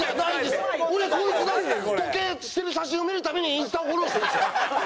俺こいつの時計してる写真を見るためにインスタをフォローしてるんですよ。